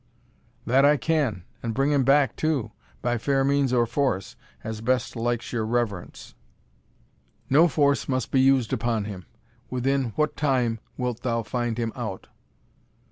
"That I can, and bring him back too, by fair means or force, as best likes your reverence." "No force must be used upon him. Within what time wilt thou find him out?"